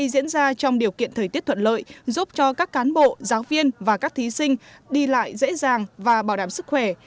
diễn ra trong điều kiện thời tiết thuận lợi giúp cho các cán bộ giáo viên và các thí sinh đi lại dễ dàng và bảo đảm sức khỏe